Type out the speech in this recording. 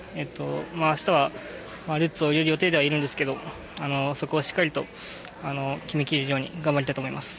明日はルッツを入れる予定ではいるんですけどそこはしっかりと決めきれるように頑張りたいと思います。